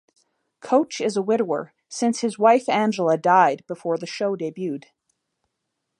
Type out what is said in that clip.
Coach is a widower since his wife Angela died before the show debuted.